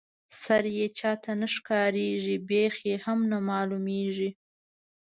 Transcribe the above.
سر یې چاته نه ښکاريږي بېخ یې هم نه معلومیږي.